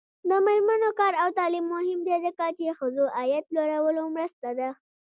د میرمنو کار او تعلیم مهم دی ځکه چې ښځو عاید لوړولو مرسته ده.